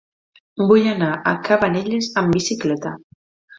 Vull anar a Cabanelles amb bicicleta.